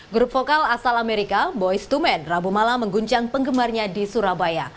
grup vokal asal amerika boyz ii men rabu malam mengguncang penggemarnya di surabaya